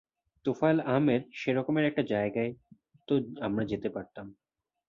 তোফায়েল আহমেদ সে রকমের একটা জায়গায় তো আমরা যেতে পারতাম।